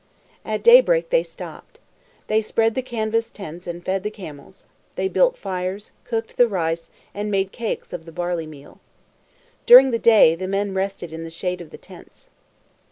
At daybreak they stopped. They spread the canvas tents and fed the camels. They built fires, cooked the rice, and made cakes of the barley meal. During the day, the men rested in the shade of the tents.